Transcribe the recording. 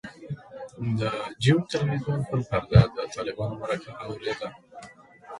د جیو تلویزیون پر پرده د طالبانو مرکه اورېده.